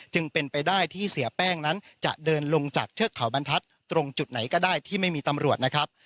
จึงเป็นไปได้ที่เสียแป้งนั้นจะเดินลงจากเทือกเขาบรรทัศน์ตรงจุดไหนก็ได้ที่ไม่มีตำรวจนะครับ